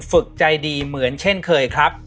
ฝึกใจดีเหมือนเช่นเคยครับ